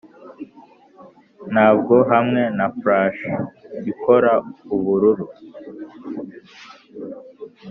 ntabwo hamwe na flash ikora ubururu